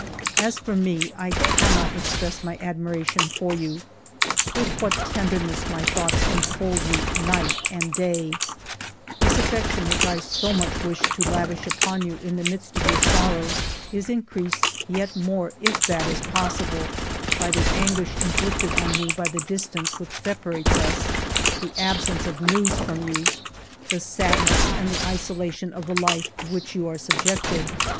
As for me, I cannot express my admiration for you. With what tenderness my thoughts enfold you night and day !..." This affection which I so much wished to lavish upon you in the midst of your sorrows is increased yet more, if that is possible, by the anguish inflicted on me by the distance which separates us, the absence of news from you, the sadness and the isolation of the life to which you are subjected.